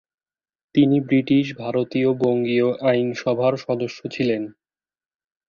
তিনি ব্রিটিশ ভারতের বঙ্গীয় আইন সভার সদস্যও ছিলেন।